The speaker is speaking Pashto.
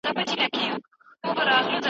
ما پرون د روغتیا په اړه یو پروګرام ولید.